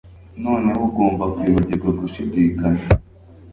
Noneho ugomba kwibagirwa gushidikanya